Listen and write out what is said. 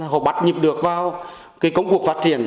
họ bắt nhịp được vào công cuộc phát triển